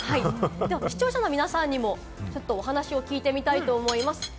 視聴者の皆さんにもお話を聞いてみたいと思います。